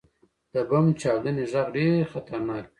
• د بم چاودنې ږغ ډېر خطرناک وي.